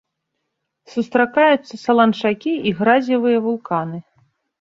Сустракаюцца саланчакі і гразевыя вулканы.